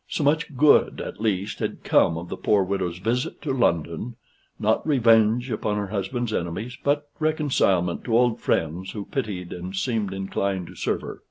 So much good, at least, had come of the poor widow's visit to London, not revenge upon her husband's enemies, but reconcilement to old friends, who pitied, and seemed inclined to serve her.